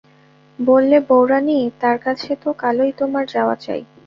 বললে, বউরানী, তাঁর কাছে তো কালই তোমার যাওয়া চাই।